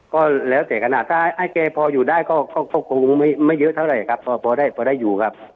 ก็แล้วแต่ขนาดถ้าให้แกพออยู่ได้ก็คงไม่เยอะเท่าไหร่ครับพอได้พอได้อยู่ครับ